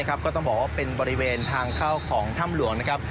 ก็ต้องบอกว่าเป็นบริเวณทางเข้าของถ้ำหลวงนะครับ